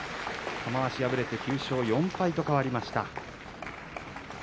玉鷲は敗れて９勝４敗と変わりました。